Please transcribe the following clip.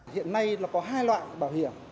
hiện nay có hai loại bảo hiểm